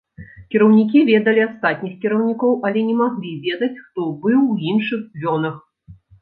Кіраўнікі ведалі астатніх кіраўнікоў, але не маглі ведаць, хто быў у іншых звёнах.